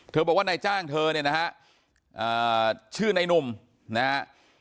บอกว่านายจ้างเธอเนี่ยนะฮะชื่อในนุ่มนะฮะ